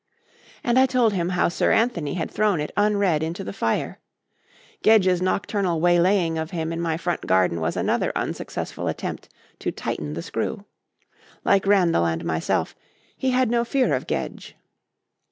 And I told him how Sir Anthony had thrown it unread into the fire. Gedge's nocturnal waylaying of him in my front garden was another unsuccessful attempt to tighten the screw. Like Randall and myself, he had no fear of Gedge.